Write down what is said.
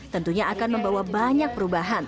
tentunya akan membawa banyak perubahan